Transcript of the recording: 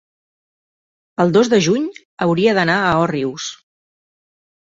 el dos de juny hauria d'anar a Òrrius.